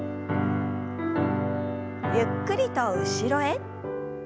ゆっくりと後ろへ。